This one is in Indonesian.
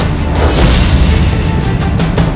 aku akan pergi ke istana yang lain